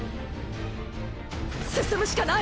進むしかない！！